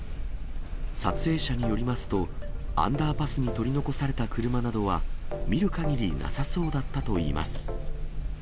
撮影者によりますと、アンダーパスに取り残された車などは、見るかぎりなさそうだったといいます。